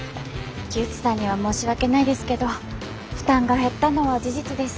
木内さんには申し訳ないですけど負担が減ったのは事実です。